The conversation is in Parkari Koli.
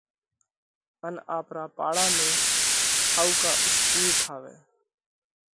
ان آپرا پاڙا ۾ ٺائُوڪا اِسڪُول ٺاوئہ۔